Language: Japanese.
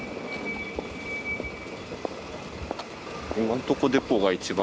今のとこデポーが一番。